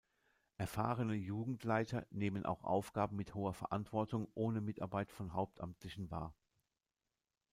Erfahrene Jugendleiter nehmen auch Aufgaben mit hoher Verantwortung ohne Mitarbeit von Hauptamtlichen wahr.